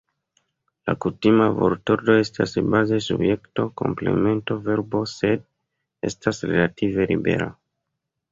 La kutima vortordo estas baze subjekto-komplemento-verbo, sed estas relative libera.